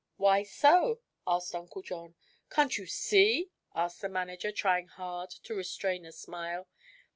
"Why so?" asked Uncle John. "Can't you see, sir?" asked the manager, trying hard to restrain a smile.